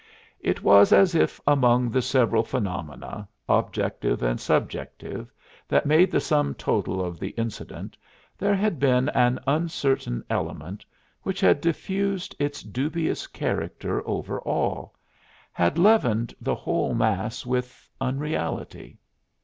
It was as if among the several phenomena, objective and subjective, that made the sum total of the incident there had been an uncertain element which had diffused its dubious character over all had leavened the whole mass with unreality.